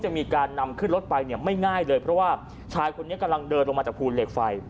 ไม่ง่ายเลยเพราะชายคนนี้กำลังเดินเข้ามาจากภูเหล็กไฟ